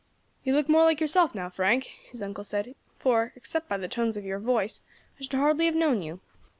"You look more like yourself now, Frank," his uncle said, "for, except by the tones of your voice, I should hardly have known you.